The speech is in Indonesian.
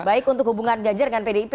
baik untuk hubungan ganjar dengan pdip